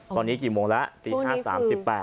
ตอนนี้กี่โมงแล้วตี๕๓๘